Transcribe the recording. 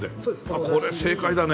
あっこれ正解だね。